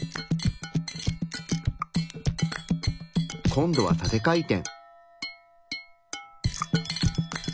今度は縦回転。